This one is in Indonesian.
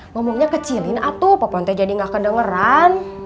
ngomongnya kecilin aptu popon teh jadi gak kedengeran